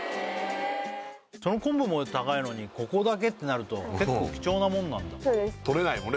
その昆布も高いのにここだけってなると結構貴重なもんなんだそうですとれないもんね